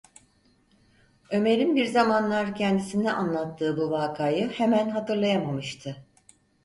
Ömer’in bir zamanlar kendisine anlattığı bu vakayı hemen hatırlayamamıştı.